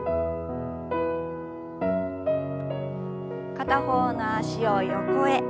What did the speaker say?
片方の脚を横へ。